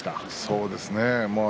そうですね。